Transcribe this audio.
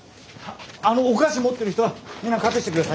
あのお菓子持ってる人はみんな隠して下さい。